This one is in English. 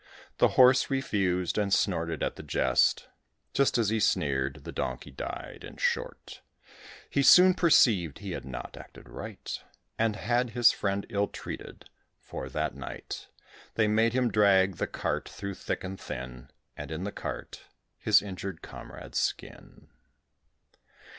The Horse refused, and snorted at the jest. Just as he sneered, the Donkey died. In short, He soon perceived he had not acted right, And had his friend ill treated; for that night They made him drag the cart through thick and thin, And in the cart his injured comrade's skin.